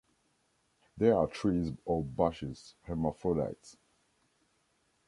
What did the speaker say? They are trees or bushes; hermaphrodites.